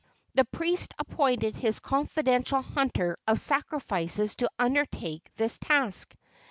The priest appointed his confidential hunter of sacrifices to undertake this task.